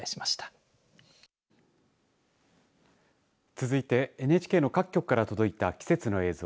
続いてＮＨＫの各局から届いた季節の映像